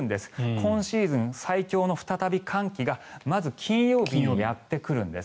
今シーズン、再び最強の寒気がまず金曜日にやってくるんです。